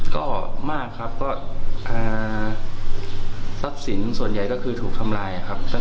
ก็มากครับก็ทรัพย์สินส่วนใหญ่ก็คือถูกทำลายครับ